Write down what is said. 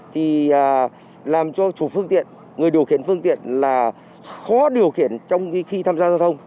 thì làm cho chủ phương tiện người điều khiển phương tiện là khó điều khiển trong khi tham gia giao thông